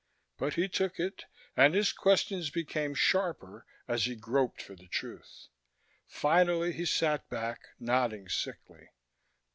But he took it, and his questions became sharper as he groped for the truth. Finally he sat back, nodding sickly.